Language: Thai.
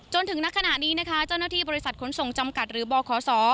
จนถึงนักขณะนี้นะคะเจ้าหน้าที่บริษัทค้นส่งจำกัดหรือบ้อขอสอ